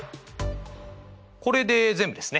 これで全部ですね。